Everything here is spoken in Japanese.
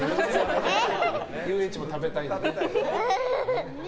遊園地も食べたいよね。